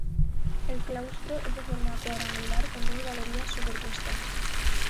El claustro es de forma cuadrangular con dos galerías superpuestas.